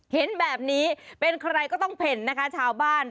เห็นแบบนี้เป็นใครก็ต้องเพ่นนะคะชาวบ้าน